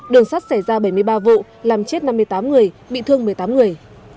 đường sắt xảy ra bảy mươi ba vụ làm chết năm mươi tám người bị thương một mươi tám người